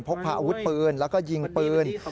พกพาอาวุธปืนแล้วก็ยิงปืน